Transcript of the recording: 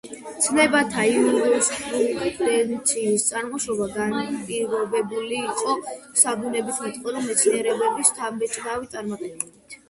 ცნებათა იურისპრუდენციის წარმოშობა განპირობებული იყო საბუნებისმეტყველო მეცნიერებების შთამბეჭდავი წარმატებებით.